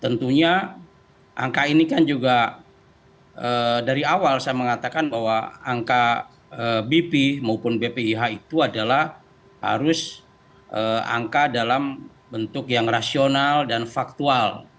tentunya angka ini kan juga dari awal saya mengatakan bahwa angka bp maupun bpih itu adalah harus angka dalam bentuk yang rasional dan faktual